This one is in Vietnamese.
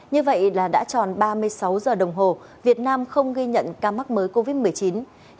như vậy là đã tròn ba mươi sáu giờ đồng hồ việt nam không ghi nhận ca mắc mới covid một mươi chín